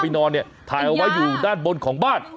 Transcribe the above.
นอนเนี่ยถ่ายเอาไว้อยู่ด้านบนของบ้าน